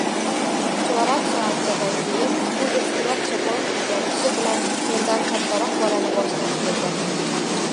Chorak soatchadan keyin u eskiroq chopon kiygan kishi bilan mendan kattaroq bolani boshlab keldi.